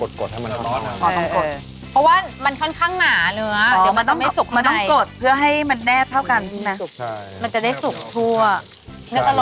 เดี๋ยวคงกดให้มันรอย